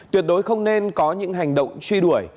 tuyệt đối không nên có những hành động truy đuổi